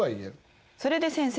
それで先生。